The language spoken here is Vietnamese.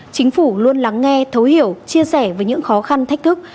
chính phủ luôn lắng nghe thấu hiểu chia sẻ với những khó khăn thách thức